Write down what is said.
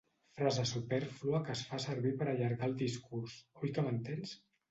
Frase supèrflua que es fa servir per allargar el discurs, oi que m'entens?